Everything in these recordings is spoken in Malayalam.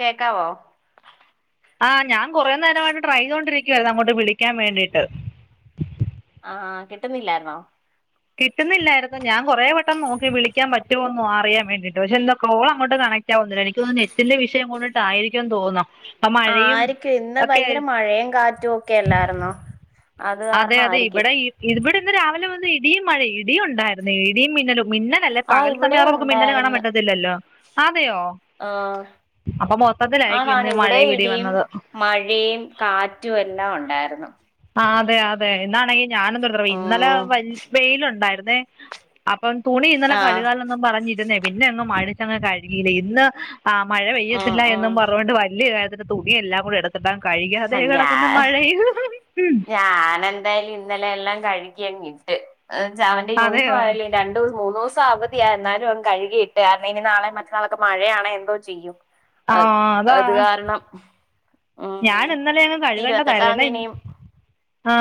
കേക്കാവോ ആ ഞാൻ കുറേനേരമായിട്ട് ട്രയ് ചെയ്തോണ്ടിരിക്കായിരുന്നു അങ്ങോട്ട് വിളിക്കാൻ വേണ്ടീട്ട് ആഹ് കിട്ടുന്നില്ലാര്ന്നോ കിട്ടുന്നില്ലായിരുന്നു ഞാൻ കൊറെ വട്ടം നോക്കി വിളിക്കാൻ പറ്റുമോ അറിയാൻ വേണ്ടിട്ട് പക്ഷെ എന്താ കോൾ അങ്ങോട്ട കണക്റ്റ് ആകുന്നില്ല എനിക്ക് നെറ്റിന്റെ വിഷയം കൊണ്ടിട്ടായിരിക്കും എന്ന് തോന്നാം ഇപ്പെ മഴയും ആയിരിക്കും ഇന്ന് ഒക്കെ ആയി ഭയങ്കര മഴയും കാറ്റും ഒക്കെ അല്ലായിരുന്നോ അത് അതെ അതെ കാരണമായിരിക്കും ഇവടെ ഇവടെ ഇന്ന് രാവിലെ വന്ന് ഇടിയും മഴ ഇടിയും ഉണ്ടായിരുന്നു ഇടിയും മിന്നലും മിന്ന നല്ല ആഹ് പകൽ ഇവിടെ സമയം നമുക്ക് മിന്നൽ കാണാൻ ഉണ്ടായിരുന്നു പറ്റത്തില്ലല്ലോ അതെയോ ആഹ് അപ്പൊ മൊത്തത്തിലായിരിക്കും ആണാണ് ഇന്ന് ഇവിടെ മഴെ ഇടിം ഇടിയും വന്നത് മഴയും കാറ്റും എല്ലാം ഉണ്ടായിരുന്നു അതെ അതെ ഇന്നാണെങ്കിൽ ഞാനും തന്ത്രവയ് ഇന്നലെ ഉം വല് വെയിലുണ്ടായിരുന്നേ അപ്പം തുണി ഇന്നലെ ആഹ് കഴുകാലൊന്നും പറഞ്ഞിരുന്നേ പിന്നെ അങ്ങ് മഴിച്ചങ്ങ് കഴുകില ഇന്ന് ആ മഴ ആഹ് പെയ്യത്തില്ല എന്നും ആഹ് പറഞ്ഞുകൊണ്ട് വല്യകാര്ത്തിന് തുണിയെല്ലാം കൂടെ എടുത്തിട്ട് കഴുകി ആതെ ഞാ കെടക്കുന്ന മഴയും ഞാനെന്തായാലും ഇന്നലെ എല്ലാം കഴിക്കിയങ്ങിട്ട് എന്ന് വച്ചാ അവന്റെ യൂണിഫോം അതെയോ അല്ല രണ്ടൂസം മൂന്നൂസം അവധി തിയ എന്നാലും അവൻ കഴുകിയിട്ട് എനാളെ മറ്റന്നാളൊക്കെ മഴയാണ് എന്തോ ചെയ്യും ആ അ അതാ അത് കാരണം ഞാൻ ഉം ഇന്നലെ അങ്ങ് ഇരുപത്തെട്ടാം കഴുകേണ്ടതായിരുന്നു തിയതി എന്നാൽ ഇനീം ആ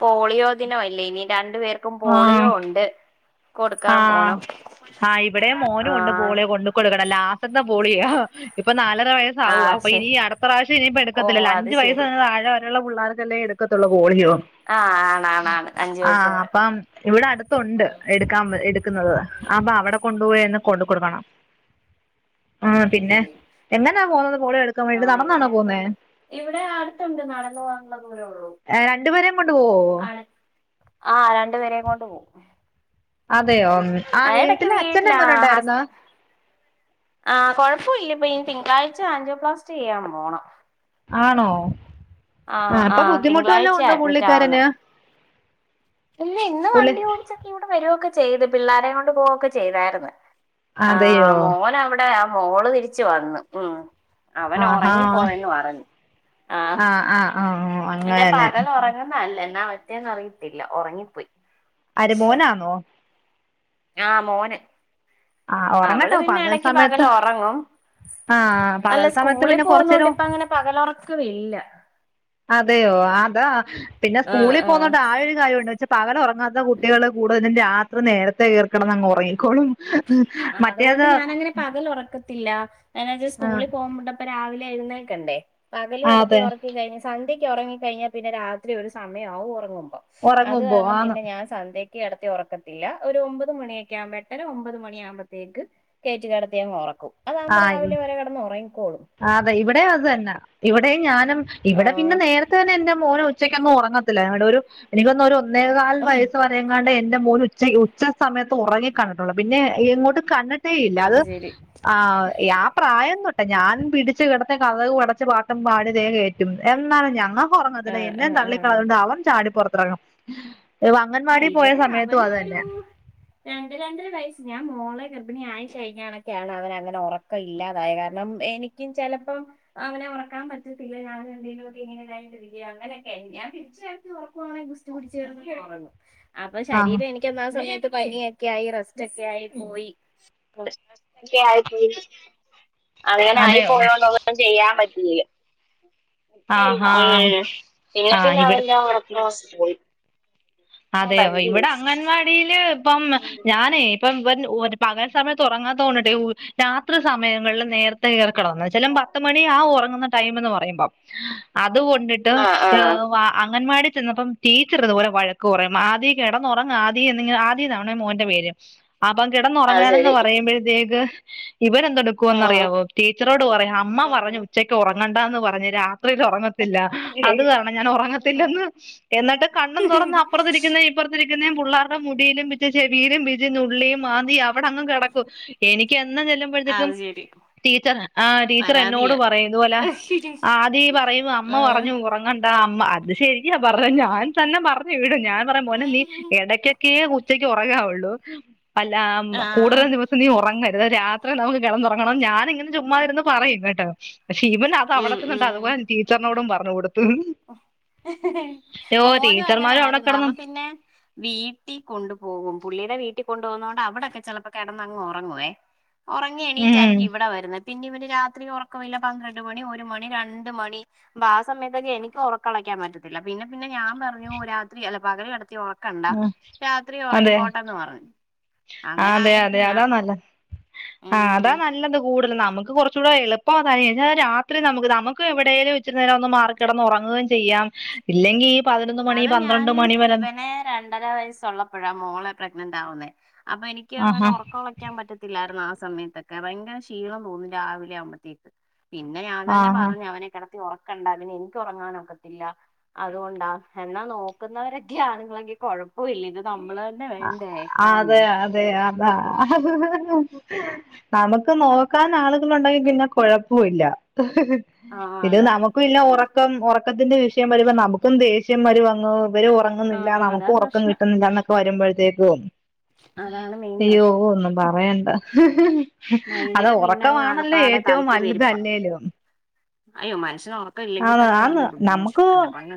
പോളിയോ ദിനം അല്ലേ ഇനി രണ്ടു പേർക്കും പോളിയോ ഉണ്ട് കൊടുക്കാൻ ആഹ് പോണം ആ ഇവിടെ മോനും ഉണ്ട് ആഹ് പോയൊളി കൊണ്ട് കൊടുക്കണം ലാ ലാസ്റ്റ്ത്തെ പോളിയ ഇപ്പൊ നാലര വയസ് ആവുവ ആഹ് അപ്പൊ ശരി ഈ അർ ഇ പ്രാവശ്യം ഇനിയിപ്പോ ഓ എടുത്തില്ല ല്ലോ അത് അഞ്ച് ശരി വയസിന് തഴെരയുള്ള പിള്ളേർക്കല്ലേ എടുകത്തൊള്ളു പോളിയൊ ആഹ് ആണാണാണ് അഞ്ചു വയസ്സ് ആഹ് വരെ അപ്പം ഇവിടെ ഉം അടുത്തുണ്ട് എട് കാം എടുക്കുന്നത് ഉം ഉം അപ്പൊ അവിടെ ഉം കൊണ്ടുപോയന്ന് ഉം കൊണ്ട് കൊടുക്കണം ആ ആഹ് അത് പിന്നെ ശരി എങ്ങെന പോകുന്നത് പോളിയൊ എടുക്കാൻ വേണ്ടിട്ട് ആഹ് ഇവിടെ നടന്നാണോ പോകുന്നേ അടുത്തുണ്ട് ഇവിടെ അടുത്തുണ്ട് നടന്നു പോകാനുള്ള ദൂരേ ഉള്ളൂ ഏ രണ്ടുപേരേും കൊണ്ട് പോവോ ആണ് ആഹ് രണ്ടു പേരേ കൊണ്ട് പോവും അതെയോ ആ ഇടക്ക് വീട്ടില് അച്ഛനന്റ വീട്ടിലാ എങ്ങനെ ഹസ് ഉണ്ടായിരുന്നു ആഹ് കുഴപ്പൊ ഇല്ല ഇപ്പ ഇനി തിങ്കളാഴ്ച ആൻഡോപ്ലാസ്റ്റ് ചെയ്യാൻ പോണം ആണോ ആ ആഹ് ഇപ്പൊ ആഹ് ബുദ്ധിമുട്ടും വല്ലോം തിങ്കളാഴ്ച ഉണ്ടോ അഡ്മിറ്റ് ആവുന്നെ പുള്ളിക്കാരന് ഇല്ല ഇന്ന് പുള്ളി വണ്ടി ഓടിച്ചക്ക ഇവിടെ വരയൊക്കെ ചെയ്ത് പിള്ളോരെയ കൊണ്ട് പോവൊക്കെ ചെയ്തായിരുന്നു ആ അതെയോ മോന് അവിടാ ആ മോള് തിരിച്ച് വന്ന് ഉം അവന് ആഹാ ഉറങ്ങിപ്പോയന്ന് പറഞ്ഞ് ആഹ് ആഹ് ആഹ് എന്റെ പകലൊറങ്ങുന്നതല്ല എന്നാ പറ്റിയേന്ന് അറിയത്തില്ല ഒറങ്ങിപ്പോയി ആര് മോനാന്നോ ആഹ് മോന് ആ അവള് ഉറങ്ങട്ടോ പിന്നെ പകൽ എടയ്ക്ക് സമയത്ത് പകലൊറങ്ങും- ആ അല്ല പകൽ സമയത്ത് സ്കൂളിൽ പിന്നെ പോകുന്ന കുറച്ചു കൊണ്ട് നേരം ഇപ്പ അങ്ങനെ പകലൊറക്കമില്ല അതെയോ അതാ പിന്നെ ആഹ് സ്കൂളിൽ ആഹ് പോനോണ്ട് ആ ഒരു കാര്യംണ്ട് ന്ന്ച്ചാ പകല് ഒറ ങ്ങാത്ത കുട്ടികള് കൂടുതലും രാത്രി നേരത്തെ കേറിക്കെടന്നങ്ങൊറങ്ങിക്കോളും ആ അതുകൊണ്ട് ഞാനങ്ങനെ പകലൊറക്കത്തില്ല ഞാൻ വിചാരിച്ചു ആഹ് സ്കൂളിൽ പോകുമ്പോ ഇപ്പൊ രാവിലെ എഴുന്നേക്കണ്ടേ പകല് കിടത്തി അതെ ഒറക്കി- പിന്നെ സന്ധ്യക്ക് ഒറങ്ങി കഴിഞ്ഞാൽ പിന്നെ രാത്രി ഒരു സമയം ആവും ഉറങ്ങുമ്പോ അത് ഉറങ്ങുമ്പോ കാരണം ആന്ന് പിന്നെ ഞാൻ- സന്ധ്യയ്ക്ക് കെടത്തി ഉറക്കത്തില്ല ഒരു ഒമ്പത് മണിയൊക്ക ആവ്മ്പ എട്ടര ഒമ്പത് മണി ആവുമ്പോ ത്തേക്ക് കേറ്റി കെടത്തിയങ്ങ് ഉറക്കും അതാകുമ്പോ രാവിലെ വരെ കെടന്നൊറങ്ങിക്കോളും ആ അതെ ഇവിടെയും അത് തന്ന ഇവിടെയും ഞാനും ഇവിടെ പിന്നെ ആഹ് നേരത്തെ തന്നെ എന്റെ മോന് ഉച്ചയ്ക്ക് എങ്ങും ഉറങ്ങത്തില്ല ഒരു എനിക്ക് തോന്നുന്നു ഒരു ഒന്നേകാൽ വയസ്സ് ങ്ങാണ്ട് എന്റെ മോൻ ഉ ഉച്ച സമയത്ത് ഉറങ്ങി കണ്ടിട്ടുള്ളൂ പിന്നെ എങ്ങോട്ട് കണ്ട ട്ടേയില്ല അത് ആ യാ പ്രായംതൊട്ടെ ഞാനും പിടിച്ചു കിടത്തി കതകും അടച്ച് പാട്ടും പാടി തേകേറ്റും എന്നാലും നമ്മ അവൻ ഉറങ്ങത്തില്ല ആഹ് എന്നെയും ആഹ് ആഹ് തള്ളിക്കളഞ്ഞോണ്ട് അവൻ ചാടിപ്പൊറത്തിറങ്ങും ആ അംഗൻവാടി പോയ ഇവിടെ സമയത്തും അവന് അത് തന്നെ ഒരു രണ്ട് രണ്ടര വയസ് ഞാൻ മോളെ ഗർഭിണിയായി കഴിഞ്ഞാറെക്കെയാണ് അവന് അങ്ങനെ ഉറക്ക- ക്കം ഇല്ലാതായ കാരണം എനിക്കും ചെലപ്പം അങ്ങനെ ഉറക്കാൻ പറ്റത്തില്ല ഞാനെന്തങ്കിലുംക്കെങ്ങനെ ഇതായിണ്ട് ഇരിക്കുവാണെക്കി അങ്ങനൊക്കെ ഞാൻ പിടിച്ച് കിടത്തി ഉറക്കുവാണെങ്കി- കുടിച്ച് കിടന്ന് അങ്ങ് ഉറങ്ങും അപ്പൊ ആ ശരീരം എനിക്കൊന്നാ സമയത്ത് പനിയൊക്കെ ആയി റെസ്റ്റ് ഒക്കെ ആയി പോയി [unintelligible] ആയി പോയി അങ്ങനെ ആയി അതെയോ പോയോണ്ട് ഒന്നും ചെയ്യാൻ പറ്റില്ല ഉം ആഹാ പിന്നെ ആ പിന്നെ ഇവിടെ അവന്റ ആ ഒറക്കം പോയി അതെ ഇവിടെ പറ്റിയില്ല അംഗൻവാടിയില് ഇപ്പം ഞാനെ ഇപ്പം ഇവൻ പകൽ സമയത്ത് ഉറങ്ങാത്ത കൊണ്ട് ടെ രാത്രി സമയങ്ങളിൽ നേര- ത്തെ കേറിക്കടന്ന് ചിലപ്പം പത്ത് മണി ആകും ഉറങ്ങുന്ന ടൈം എന്ന് പറയുമ്പോം അതുകൊണ്ട് ആഹ് ആഹ് അംഗൻവാടി ചെന്നപ്പം ടീച്ചറിതുപോലെ വഴ ക്ക് പറയും ആദി കെടന്നൊറങ്ങ് ആദി എന്നിങ്ങനെ ആദി ന്ന് ആണെ മോന്റെ പേര് അപ്പം അത് കിടന്നുറങ്ങാൻ എന്ന് ശരി പറയുമ്പോഴത്തേക്ക് ഇവന് എന്തോടു ഉം റിയാവോ ടീച്ചറോട് പറയും അമ്മ പറഞ്ഞ് ഉം ഉച്ചയ്ക്ക് ഉറങ്ങണ്ടാന്ന് പറഞ്ഞ് രാത്രിയിൽ ഒറങ്ങ ത്തില്ല അത് കാരണം ഞാൻ ഉറങ്ങത്തില്ലന്ന് എന്നിട്ട് കണ്ണും തൊറന്ന്. ഇപ്പറത്തിരിക്കുന്ന ഇപ്പുറത്തിരിക്കുന്നേയും പിള്ളേരുടെ മുടിയിലും പി ചെവിയിലും പിച്ച് നുള്ളിയും മാന്തിയും അവിടെ അങ് കിടക്കും എനിക്ക് എന്നും ചെല്ലുമ്പോ ആ അത് ശരി ടീച്ചർ ആ ടീച്ചർ എന്നോട് പരാതിയാ പറയും ഇതുപോലെ ആദി പറയും അമ്മ ആ. പറഞ്ഞു ഒ ഒറങ്ങണ്ടാ അമ്മ അത് ശെരിയാ പറഞ്ഞ ഞാൻ തന്നെ പറഞ്ഞു വിടും ഞാൻ പറയും മോനെ നീ എടയ്ക്ക്- ക്കേ ഉച്ചക്ക് ഉറങ്ങാവുള്ളൂ അല്ല ആ. കൂടുതൽ ദിവസം നീ ഉറങ്ങരുത് രാത്രി നമുക്ക് കിടന്ന് ഉറങ്ങണം ഞാന് ഇങ്ങനെ ചുമ്മാ ഇരുന്ന് പറയും കേട്ടോ പക്ഷെ ഇവൻ അത് ഉം, അവിടെചെന്നിട്ട് ഉം. അതുപോലെ തന്നെ ടീച്ചറിനോടും പറഞ്ഞു കൊടുത്ത് മോനും അങ്ങനെ ടീച്ചർമാരും അവിടെ ആരുന്ന് കിടന്നു അവൻ പിന്നെ വീട്ടി കൊണ്ടു പോകും പുള്ളിയുടെ വീട്ടിൽ കൊണ്ടു പോകുന്നതോണ്ട് അവിടൊക്കെ ചെലപ്പോ കിടന്നങ്ങ് ഉറങ്ങുവേ ഒറങ്ങി ഉം എണീറ്റായിരിക്കും ഇവിടെ വരുന്നേ- പിന്നെ ഇവന് രാത്രി ഒറക്കമില്ല പന്ത്രണ്ട് മണി ഒരു മണി രണ്ട് മണി അപ്പൊ ആ സമയത്തൊക്കെ എനിക്ക്- എനിക്ക് ഒറക്കം ഒളക്കാൻ പറ്റത്തില്ല പിന്നെ പിന്നെ ഞാൻ പറഞ്ഞു രാത്രി അല്ല പകല് കെടത്തി ഒറ- ക്കണ്ടാ രാത്രി ഉറങ്ങി കോട്ടെന്ന് പറഞ്ഞു ആഹ് അങ്ങനെ അതെ ആയ അതെ പിന്നെ അതാ നല്ലത് ആഹ് ഉം അതാ നല്ലതും കൂടുതൽ നമുക്ക് കൊറ്ച്ചുകൂടെ എളുപ്പം അതായി ഞാൻ രാത്രി നമുക്ക് നമുക്ക് എവിടെലും ഇച്ചരി നേരവൊന്ന് മാറി കെടന്ന് ഒറങ്ങുകയും ചെയ്യാം ഇല്ലെങ്കി പതിനൊന്ന് മണി അത് പന്ത്രണ്ട് ഞാന് മണി വരെ ഇവനെ രണ്ടര വയസ്സുള്ളപ്പോഴാ മോളെ പ്രഗ്നന്റ് ആവുന്നേ അപ്പൊ എനിക്ക് അങ്ങനെ ആഹാ ഒറക്കഒള ക്ക്യാൻ പറ്റത്തില്ലായിരുന്നു ആ സമയത്തൊക്കെ ഭയങ്കര ക്ഷീണം തോന്നും രാവിലെ ആവുമ്പഴത്തേക്ക് പിന്നെ ഞാൻ തന്നെ ആഹാ പറഞ്ഞു അവനെ കെടത്തി ഒറക്കണ്ട പിന്നെ എനിക്ക് ഒറങ്ങാൻ ഒക്കത്തില്ല അത്കൊണ്ടാ എന്നാ നോക്കുന്നവരൊക്കെ ആണുങ്ങളെങ്കി കൊയപ്പോല്ല ഇത് നമ്മള് തന്നെ ആഹ് വേണ്ടേ ക്കാന് അതെ അതെ അതാ നമുക്ക് നോക്കാൻ ആളുകള്ണ്ടെങ്കിൽ പിന്നെ കൊഴപ്പുല്ല ആഹ് ഇത് അതാ നമുക്ക് പിന്നെ ഒറക്കം ഒറക്കത്തിന്റെ വിഷയം വരുമ്പോ നമുക്കും ദേഷ്യം വെരും അങ്ങ് ഇവര് ഒറ ന്നില്ല ആഹ് നമുക്ക് അതാ ഒറക്കം പ്രശ്നം കിട്ടുന്നില്ലന്നൊക്കെ വരുമ്പോഴത്തേക്കും അതാണ് മെയിൻ അയ്യോ പ്രശ്നം ഒന്നും പറയണ്ട അത ഭയങ്കര പിന്നെ അങ്ങ് ഒറക്കമാണല്ലോ ആകപ്പാടെ ഏറ്റവും തലയ്ക്ക് പെരുപ്പാ വല്തല്ലേലും അയ്യോ മനുഷന് ഒറക്കം ഇല്ലെങ്കി തന്നെ വലിയ ബുദ്ധിമുട്ട്ണ്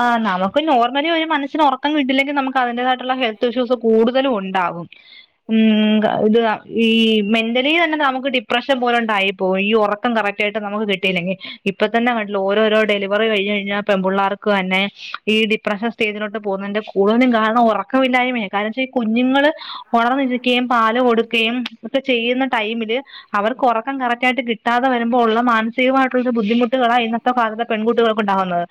ആഹ് നമുക്ക് നോർമലി ഒര് മനുഷ്യന് ഒറക്കം കിട്ടിയില്ലെങ്കിൽ നമുക്ക് അതിന്റെതാ ട്ടുള്ള ഹെൽത്ത് ഇഷ്യൂസ് കൂടുതലും ഉണ്ടാവും ഉം ഇത് ഈ മെന്റലി തന്നെ നമുക്ക് ഡിപ്രഷൻ പോലെണ്ടായിപ്പോവും ഈ ഒറ ത്തം കറക്റ്റായിട്ട് നമുക് കിട്ടിയില്ലെങ്കി ഇപ്പൊ തന്നെ ഓലോരോരോ ഡെലിവറി കഴിഞ്ഞ്കഴിഞ്ഞാൽ പെമ്പുള്ളാർക്ക് തന്നെ ഈ ഡിപ്രഷൻ സ്റ്റേജിനോട്ട് പോകുന്നെന്റ ഇന്നും കാരണം ഉറക്കമില്ലായ്മേ കാരണം ച്ചാഈ കുഞ്ഞുങ്ങള് ഒണർന്നിരിക്കയും പാല് കൊടുക്കയും ഒക്കെ ചെയ്യുന്ന ടൈമില് അവർക്ക് ഒറക്കം കറക്റ്റായിട്ട് കിട്ടാതെ വരുമ്പോ ഒള്ള മാനസികമായിട്ടൊള്ളൊരു ബുദ്ധിമുട്ടുകളാ ഇതൊ അന്നത്തെ [unintelligible] പെൺകുട്ടികൾക് ഉണ്ടാവുന്നത്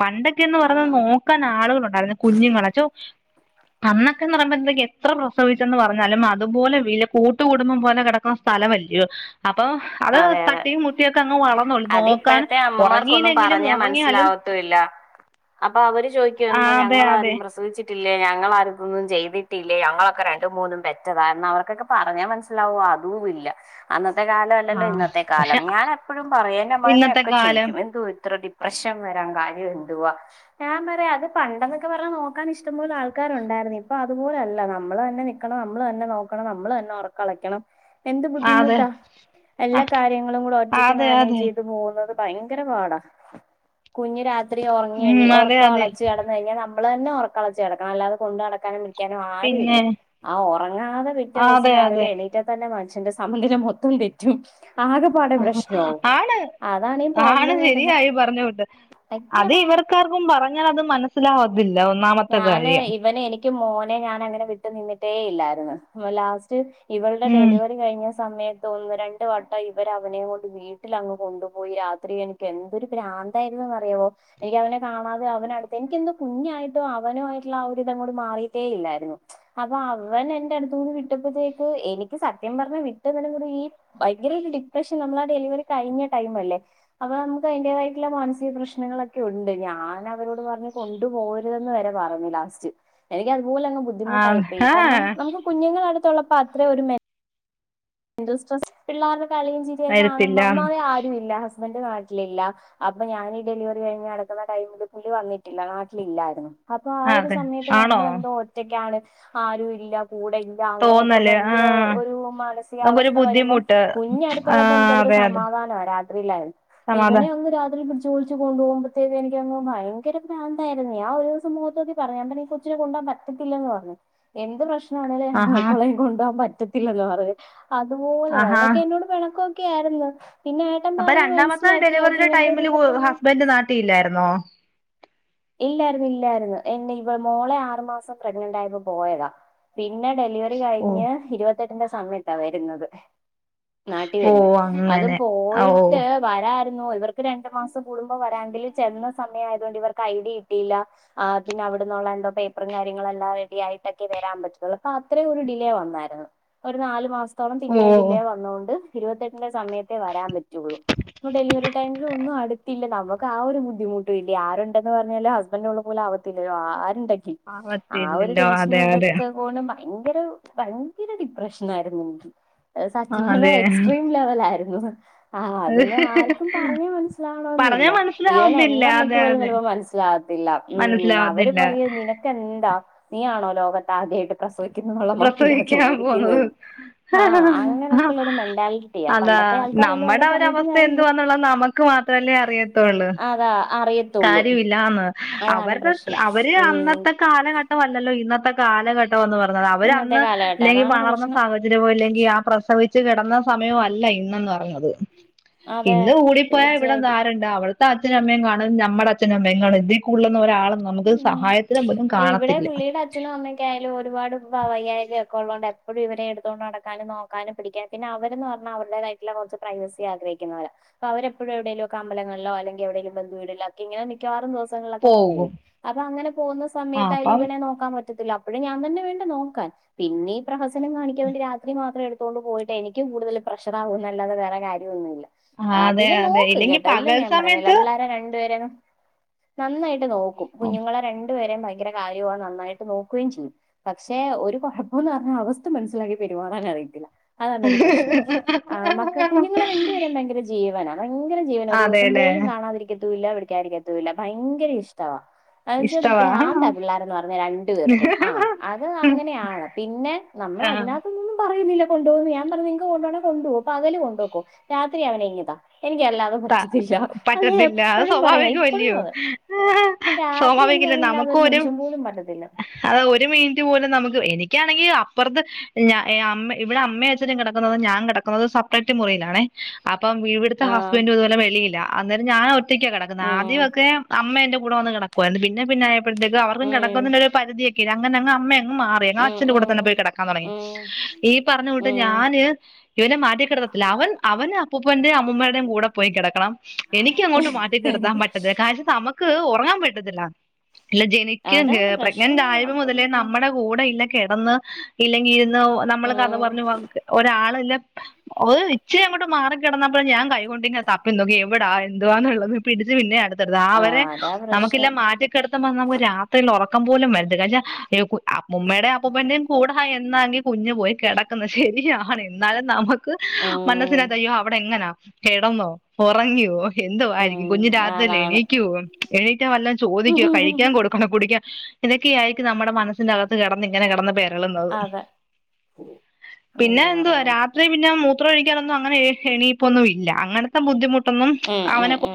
പണ്ടൊക്കെ എന്ന് പറഞ്ഞ ആഹ് നോക്കാൻ ആളുകളുണ്ടായിരുന്നു കുഞ്ഞുങ്ങളെ ച്ചോ അന്നൊക്കെ എന്ന് പറയ്മ്പോക്ക് എത്ര പ്രസവിച്ചെന്ന് പറഞ്ഞാലും അതുപോലെ വല്യ കട്ടുകുടുംബം പോലെ കിടക്കുന്ന- സ്ഥലമല്ലിയോ അപ്പൊ അത് അതെ അതെ തട്ടിയും മുട്ടിയൊക്കെ അങ്ങ് വളർന്നോളും നോക്കാൻ അതിപ്പോഴത്തെ അമ്മമാർക്കൊന്നും ഒറങ്ങീല്ലെങ്കിലും പറഞ്ഞാ ഒറങ്ങിയാലും മനസ്സിലാവത്തുമില്ല അപ്പൊ അവര് ചോദിക്ക്യാ എന്താ ഞങ്ങളാരും പ്രസവിച്ചി ട്ടില്ലെ ഞങ്ങളാരും ഇതൊന്നും ചെയ്തിട്ടില്ലേ ഞങ്ങളൊക്കെ രണ്ടു മൂന്നും പെറ്റതായിരുന്നു അവർക്കൊക്കെ- പറഞാ മനസിലാവോ അതും ഇല്ല അന്നത്തെ കാല ആ ല്ല ഇന്നത്തെ കാലം പക്ഷെ ഞാനെപ്പോഴും പറയും എന്റെ ഇന്നത്തെ അമ്മായ്മയൊക്കെ കാലം ചോദിക്കും എന്ത്വാ ഇത്ര ഡി പ്രശ്നം വരാൻ കാര്യം എന്തുവാ ഞാൻ പറയാ അത് പണ്ടെന്നൊക്കെ പറഞാ നോക്കാനിഷ്ടംപോലെ ആൾക്കാരുണ്ടായിരുന്നു ഇപ്പൊ അതുപോലെയല്ല നമ്മള് തന്നെ നി ണം നമ്മള് തന്നെ നോക്കണം നമ്മള് തന്നെ ഒറക്കളക്കണം എന്ത് ആ അതെ ബുദ്ധിമുട്ടാ എല്ലാ കാര്യങ്ങളും കൂടെ ആ ഒറ്റക്ക് അതെ മാനേജ് അതെ ചെയ്ത് പോകുന്നത് ഭയങ്കര പാടാ കുഞ്ഞ് രാ ഇത്രേ ഒറ്ങ്ങിയെണി ഉം അതെ ഒറ്ക്ക അതെ ഒളച്ച് കിടന്ന് കഴിഞ്ഞാ നമ്മളെന്നെ ഒറക്കൊളച്ച് കെടക്കണം അല്ലാത കൊണ്ട് നടക്കാനും ക്യാനും പിന്നെ ആരുല്ല ആഹ് ഒറങ്ങാതെ പിറ്റേ ദിവസം അതെ രാവിലെ അതെ എണി തന്നെ മനുഷ്യന്റെ സമയം മൊത്തം തെറ്റും ആകെ ആണ് ആണ് പ്രോബ്ലം ശരിയാ വരുന്നെ ഈ പറഞ്ഞകൂട്ട് ഭയങ്കര അത് പാടാ ഇവർ അവക്കാർക്കും പറഞ്ഞാ അത് മനസ്സിലാകത്തില്ല ഒന്നാമത്തെ കാര്യം ഈ മോനെ ഞനങ്ങനെ വിട്ട് നിന്നിട്ടേ ഇല്ലായിരുന്നു ലാസ്റ്റ് ഇവളുടെ ഉം ഡെലിവെറി കഴിഞ്ഞ സമയത്ത് ഒന്ന് രണ്ട് വട്ടം ഇവര് അവനെ കൊണ്ട് വീട്ടിലങ്ങ് കൊണ്ടുപോയി രാത്രി എനി എന്തൊരു ഭ്രാന്തായിരുന്നുന്ന്റിയാവോ എനിക്ക് അവനെ കാണാതെ അവനടുത്ത് എനിക്കെന്തോ കുഞ്ഞായിട്ട്- അവനു ആയിട്ടുള്ള ആഒരിതങ്ങോട് മാറിയിട്ടേ ഇല്ലായിരുന്നു അപ്പൊ അവൻ എന്റെ അടുത്തൂന്ന് വിട്ടപ്പത്തേക്ക് എനിക്ക് സത്യം പറഞ്ഞ വിട്ടെറി ഈ ഭയങ്കര ഒരു ഡിപ്രഷൻ നമ്മളാ ഡെലിവറി കഴിഞ്ഞ ടൈം അല്ലേ അപ്പ നമുക്ക് അയ്ന്റെതായിട്ടുള്ള മാനസിക പ്രശ്നങ്ങളൊക്കെ ഉണ്ട് ഞാൻ അവരോട് പറഞ്ഞ് കൊണ്ടുപോവര് പറഞ്ഞു ലാസ്റ്റ് എനിക്കതുപോലങ്ങ് ആ ബുദ്ധിമുട്ടായിപ്പോയി ആ കാര്ണം നമു കുഞ്ഞുങ്ങള് അടുത്തുള്ളപ്പോ അത്ര ഒരു മെൻ- ഇൻസ്ട്രെസസ് പിള്ളരുടെ കളിയും ചിരിയുംക്കെ വരത്തില്ല കാണുമ്പോ ഒന്നാമതേ ആരും ഇല്ല ഹസ്ബന്ഡ് നാ. നാട്ടിലില്ല അപ്പൊ ഞാനീ ഡെലിവറി കഴിഞ്ഞ് നടക്കുന്ന ടൈമിൽ പുള്ളി വന്നിട്ടില്ല നാട്ടിലില്ലായിരുന്നു. അപ്പൊ ആ ഒരു അതെ സമയത്ത് ആണോ നമ്മൾ എന്തോ ഒ- ഒറ്റക്കാണ് ആരും ഇല്ല കൂടെ ഇല്ല അങ്ങനെയൊക്കെ തോന്നല് ഭയങ്കര ആഹ് ഒരു മാന. ഈ നമുക്കൊരു അവസ്ഥവരുമ്പോ ബുദ്ധിമുട്ട് കുഞ്ഞടുത്തുള്ളപ്പോ ആഹ് എനിക്കരു അതെ സമാധാ. അതെ സമാധനമാ രാത്രിയിലായിരുന്നു സമാധാ ഇവനെ അങ്ങ് രാത്രി പിട- ഒറക്കം ഓളച്ച് കൊണ്ട് പോവുമ്പത്തേക്ക് എനിക്കങ്ങ് ഭയങ്കര ഭ്രാന്തായിരുന്നു. ഞാ ഒരു ദിവസം മുഖത്തോക്കി പറഞ്ഞു. ഞാൻ പറഞ്ഞ് ഈ കൊച്ചിനെ കൊണ്ടാൻ പ. റ്റത്തില്ലന്ന് പറഞ്ഞ്. എന്ത് പ്രശ്നമാണെങ്കലും ഞാൻ ആഹാ നോക്കികോളാം കൊണ്ടുപോകാൻ പറ്റത്തില്ലന്ന് പറഞ്ഞ്. അതുപോലെ ആഹാ അതിനൊക്കെ എന്നോട് പെണക്കൊക്കെയായ്രുന്നു. പിന്നെ- ഏട്ടൻ അപ്പൊ പറഞ്ഞ് രണ്ടാമത്തെ മനസ്സിലാക്കി അവക്ക് ഡെലിവറിയുടെ ഇങ്ങനത്തെ ഒരു ടൈമില് ഇതൊക്കെയാന്ന് ഹസ്ബൻഡ് നാട്ടില്ലായിരുന്നോ? ഇല്ലായിരുന്നു ഇല്ലായിരുന്നു എന്നെ ഇവ മോളെ ആറു മാസം പ്രഗ്നന്റ് ആയപ്പോ പോയതാ. പിന്നെ ഡെലിവറി ഓ കഴിഞ്ഞ് ഇരുപത്തെട്ടിന്റെ സമയത്താ വരുന്നത്. നാട്ടി ഓ വരുന്നെ അത് അങ്ങനെ ഓ പോയിട്ട്- വരായിരുന്നു ഇവർക്ക് രണ്ടു മാസം കൂടുമ്പോ വരാങ്കിലും ചെന്ന സമയം ആയതുകൊണ്ട് ഇവർക്ക് ഐഡിയ കിട്ടയില്ല. ആഹ് പിന്നെ അവിടെന്നുള്ള എന്തോ പേപ്പറും കാര്യങ്ങളും എല്ലാം റെഡി ആയിട്ടൊക്കെ വരാൻ പറ്റുള്ളൂ. അപ്പൊ അത്രേ ഒരു ഡിലേ വന്നായിരുന്നു. ഒരു നാലു മാസത്തോളം ഓ പിന്നേയും ഡിലേ വന്നുകൊണ്ട് ഇരുപത്തെട്ടിന്റെ സമയത്തേ വരാൻ പറ്റിള്ളൂ. ഇപ്പൊ ഡെലിവറി ടൈമിൽ ഒന്നും അടുത്തില്ല നമുക്ക് ആ ഒരു ബുദ്ധിമുട്ടുല്ലേ ആരും- ണ്ട് പറഞ്ഞാല് ഹസ്ബന്ഡ് ഉള്ള പോല ആവത്തില്ലോ ആരുണ്ടെ. ക്ക് ആ ഒരു ആവത്തില്ലല്ലോ അതെ ടെൻഷനും അതെ ഇതൊക്കെ പോലും- ഭയങ്കര ഭയങ്കര ഡിപ്രഷനായിരുന്നു എനിക്ക് സത്യം പറഞ്ഞ അതെ എക്സ്ട്രീം ലെവൽ ആയിരുന്നു. ആഹ് അതൊന്നും ആർക്കും പറഞ് മനസ്. ലാവണം പറഞ്ഞാ എന്നില്ല. ഈവൻ മനസ്സിലാവത്തില്ല എന്റെമ്മയ്ക്ക് അതെ പോലും അതെ ചെലപ്പം - മനസിലാവത്തില്ല. ഉം അവര് മനസ്സിലാവത്തില്ല പറയുവാ നിനക്കെന്താ നീ ആണോ ലോകത്ത് ആദ്യായിട്ട് - പ്രസവിക്കുന്നുള്ള മട്ടില്ല പ്രസവിക്കാൻ പോന്നത് ചോദിക്കുന്നത് ആ അങ്ങനെയൊക്കെയുള്ള ഒരു മെന്റാലി. അതാ പണ്ടത്തെ ആൾക്കാരല്ലേ അവരെ നമ്മടെ പറഞ്ഞിട്ടും ഒരവസ്ഥ കാര്യല്ല എന്തുവാന്നുള്ളത് നമുക്ക് മാത്രമല്ലേ അതാ അറിയ. ത്തൊള്ളൂ. അല്ലാന്ന് അവരുടെ അവര് ഉം അന്നത്തെ കാലഘട്ടമല്ലല്ലോ ഇന്നത്തെ കാലഘട്ടംന്ന് പറ. അവര് ഇന്നത്തെ അന്ന് കാലഘട്ടം അല്ലെങ്കി അതാണ് വളർന്ന പ്രശ്നം. സാഹചര്യ. [unintelligible] ല്ലെങ്കിൽ ആ പ്രസവിച്ചു കിടന്ന സമയം അല്ല ഇന്നന്ന് പറഞ്ഞത്. അതെ ഇന്ന് കൂടിപ്പോയാ ഇവിടെ തീർച്ചയായിട്ടും. നാര [unintelligible] ണ്. അവിടത്തെ അച്ഛനും അമ്മയും കാണും നമ്മടെ അഛനും അമ്മയും കാണും ഇതിൽ കൂടുതലൊന്നും ഒരാളും - നമുക്ക് ഉം സഹായത്തിന് ഇതൊന്നും ഇവിടെ കാണത്തില്ല. പുള്ളിയുടെ അച്ഛനും അമ്മയൊക്കെ ആയാലും ഒരുപാട് വൈയ്യാഴ്കയു- ക്ക ഉള്ളോണ്ട് എപ്പോഴും ഇവരെ എടുത്തോണ്ട് നടക്കാനും നോക്കാനും പിടിക്കാൻ പിന്നെ അവര് എന്ന് പറഞ്ഞാ അവരുടേതായിട്ടുള്ള കൊറച്ച്. പ്രൈവസി ആഗ്രഹിക്കുന്നരാ. അപ്പൊ അവരെപ്പോഴും എവിടെങ്കിലൊക്കെ അമ്പലങ്ങളിലോ എല്ലങ്കിൽ എവിടെങ്കിലും ബന്ധു വീടിലോ- ഇങ്ങനെ മിക്കവാറും ദിവസങ്ങളിലൊക്കെ പോകും. അപ്പൊ അങ്ങനെ പോകുന്ന ആ സമയത്തായാലും അപ്പം ഇവനെ- നോക്കാൻ പറ്റത്തില്ല. അപ്പോഴും ഞാൻ തന്നെ വേണ്ടെ നോക്കാൻ. പിന്നെ ഈ പ്രഹസം കാണിക്കാ വേണ്ടി രാത്രി മാത്രം എടു. ത്തോണ്ട് പോയിട്ട് എനിക്ക് കൂടുതൽ പ്രഷറാവും എന്നല്ലാതെ വേറെ കാര്യൊന്നുല്ല. ആഹ് അതെ പിന്നെ അതെ നോക്കും ഇല്ലെങ്കി കേട്ടോ പകൽ ഇല്ലന്ന് ഞാൻ പറയുന്നില്ല സമയത്ത് പിള്ളോരെ രണ്ടുപേരേയും- നന്നായിട്ട് നോക്കും. കുഞ്ഞുങ്ങളെ രണ്ടുപേരയും ഭയങ്കര കാര്യവുവാ നന്നായിട്ട് നോക്കുകയും ചെയ്യും. പക്ഷെ ഒരു കൊഴപ്പം എന്ന് പറഞ്ഞാ അവസ്ഥ മനസ്സിലാക്കി പെരുമാറാൻ അറിയത്തില്ല. അതാാണ് ഒരു പ്രശ്നം. ആ മക്കളെ കുഞ്ഞുങ്ങളെ രണ്ടുപേരയും ഭയങ്കര ജീവനാണ് ഭയങ്കര ജീ - ജീവന ഒരു ദിവസം അതെല്ലേ പോലും കാണാതിരിക്കത്തൂല്ല വിളിക്കാതിരിക്കത്തൂല്ല ഭയങ്കര ഇഷ്ടവാ. അത്ന്ന് വെച്ച ഇഷ്ടവാ ഭ്രാന്താണ് പിള്ളേർന്ന് പറഞ്ഞ രണ്ടു പേർക്കും ആഹ് അത് അങ്ങനെയാണ് പിന്നെ. നമ്മൾ ആ അതിനകത്തൊന്നൊന്നും പറയുന്നില്ല. കൊണ്ട്പോകുന്ന് ഞാൻ പറഞ്ഞു ഇങ്ങക്ക് കൊണ്ടുപോവണങ്കി കൊണ്ട് പൊ പകൽ കൊണ്ട് പൊയ്ക്കൊ രാത്രി അവനെ ഇങ്ങ്താ എനിക്ക് അല്ലാതെ. പറ്റത്തില്ല അത്ഞാൻ പറ്റത്തില്ല അത് എപ്പോഴും പറയ ഇപ്പോഴും സ്വാഭാവികമല്ലയോ അതെ. രാത്രി എനിക്ക് സ്വാഭാവികല്ലേ അവനില്ലാത്തൊ ഒരു നിമിഷം പോലും പറ്റത്തില്ല. അതെ ഒരു മിനിറ്റ് പോലും നമുക്ക് എനിക്കാണെങ്കിൽ അപ്പുറത്ത് മ്മ ഇവിടെ അമ്മയഛ. ൻ കെടക്കുന്നതും ഞാൻ കെടക്കുന്നതും സപ്പറേറ്റ് മുറിയിലാണേ. അപ്പം വീവിട്. ഇവെടെത്തെ ആഹ് ഹസ്ബൻഡും ഇതുപോലെ വെളിയില്ലാ. അന്നേരം ഞാൻ ഒറ്റയ്ക്കാ കെടക്കന്നേ. ഉം ആദ്യവെക്കെ അമ്മയെന്റെ കൂടെ വന്ന് കെട ക്കു വാരുന്നു. പിന്നെ പിന്നെയപ്പഴത്തേക്ക് അവർക്കും ഉം കെടക്കുന്ന ഒരു പരിതിക്കെയില്ലേ. അങ്ങനെ അങ്ങ് അമ്മ അങ്ങ് മാറി. വേങ്ങാ ഉം അച്ഛന്റെ കൂടെ ഉം തന്നെ പോയി കെടക്കാൻ തൊടങ്ങി. ഉം ഈ പറഞ്ഞു കൂട്ട് ഉം ഞാന്. ഇവനെ മാറ്റിക്കെടത്തത്തില്ല. അവൻ അവന് അപ്പൂപ്പന്റെയും അമ്മൂമേടെയും കൂടെ പോ പോയി കെടക്കണം. എനിക്ക് അങ്ങോട്ട് മാറ്റി കെടത്താൻ പറ്റത്തില്ല. കാര്യം നമ്മെ ക്ക് ഒറങ്ങാൻ പറ്റത്തില്ല. അല്ല ജനിക്കൻ അതാ പ്രശ്നം പ്രഗ്നന്റ് ആയത് മൊതലേ നമുക്കൊന്നും ചെയ്യാൻ നമ്മടെ. കൂട ഇല്ല കെടന്ന് ഇല്ലെങ്കി ഇരുന്നു നമ്മെള് കഥ ഉം പറഞ്ഞ്, പറഞ്ഞ് ക്ക് ഒരാളില്ലേ ഒര് ഇച്ചിരിയങ്ങോട്ട് മാറിക്കെടന്നപ്പ ഞാൻ കൈകൊണ്ടിങ്ങെനെ. തപ്പിലങ്കി എവെടാ എന്തുവാന്നുള്ളത് പിടിച്ചുവില്ലെ പിന്നെ അടുത്തെടുത്. ആ അവെരെ ആഹ് അതാ നമുക്കില്ലാ പ്രശ്നം മാറ്റി കെടത്തുമ്പം നമ്മെള് രാത്രിൽ ഉറക്കം പോലും വെരതില്ല. പക്ഷേ അമ്മുമ്മേടെയും അപ്പൂപ്പന്റെയും കൂടെ ഹാ എന്നാങ്കിൽ. കുഞ്ഞു പോയി കെടക്കുന്നേ. ശെരിയാണ്. എന്നാലും നമ്മെക്ക്. ആഹ് എന്നാ പിന്നെ തെയ്യോ അവെടെയെങ്ങനാ കെടന്നോ. ഉറങ്ങിയോ. ഉം എന്തുവാരിക്കും. കുഞ്ഞ് രാത്രില് ഞാനാണ് എണീക്കുവോ. എണീറ്റാൽ വല്ലോം ചോദിക്കുവോ കഴിക്കാൻ കൊടുക്ക്. കുടിക്കാൻ ഇതൊക്കെയായിരിക്കും നമ്മെടെ മനസ്സി ന്റെ അകത്ത് കെടന്ന് ഇങ്ങനെ കെടന്ന് പേരളുന്നത്. അതെ പിന്നെ എന്ത് എന്തുവാ പറയാൻ രാത് പിന്നെ മൂത്രം ഒഴിക്കാനൊന്നും അങ്ങനെ എണീപ്പൊന്നും ഇല്ല. അങ്ങനെത്തെ ബുദ്ധിമുട്ടൊന്നും ഉം ഉം അവനെ കൊണ്ട് ഉം